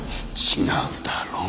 違うだろう。